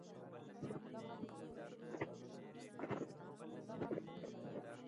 نا ببره یې یو وار پر ښامار سترګې ولګېدې.